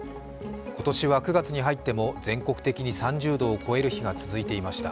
今年は９月に入っても全国的に３０度を超える日が続いていました。